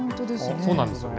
そうなんですよね。